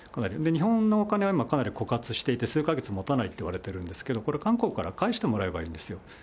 日本のお金は今、かなり枯渇していて、数か月もたないといわれているんですけれども、これ、韓国から返してもらえばいいんですよ。